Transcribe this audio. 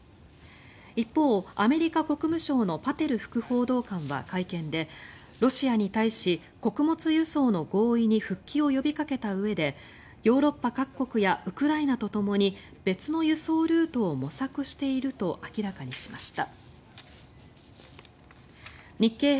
一方、アメリカ国務省のパテル副報道官は会見でロシアに対し穀物輸送の合意に復帰を呼びかけたうえでヨーロッパ各国やウクライナとともに別の輸送ルートを模索していると明らかにしました。